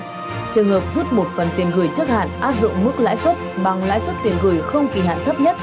cụ thể trường hợp rút toàn bộ tiền gửi áp dụng mức lãi xuất bằng lãi xuất tiền gửi không kỳ hạn thấp nhất